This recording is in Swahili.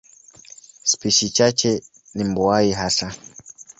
Spishi chache ni mbuai hasa.